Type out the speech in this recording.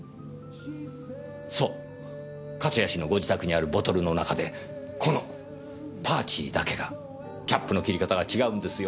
そう勝谷氏のご自宅にあるボトルの中でこの「パーチー」だけがキャップの切り方が違うんですよ。